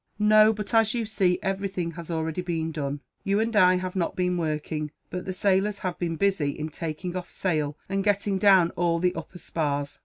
"No. But, as you see, everything has already been done. You and I have not been working, but the sailors have been busy in taking off sail, and getting down all the upper spars.